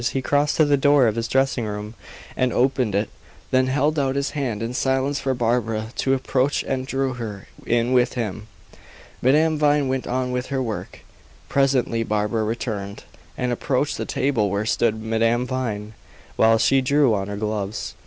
He crossed to the door of his dressing room and opened it, then held out his hand in silence for Barbara to approach and drew her in with him. Madame Vine went on with her work. Presently Barbara returned, and approached the table where stood Madame Vine, while she drew on her gloves.